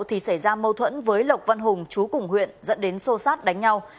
thì xảy ra mâu thuẫn với lộc văn hùng chú cùng huyện dẫn đến xô xát đánh nhau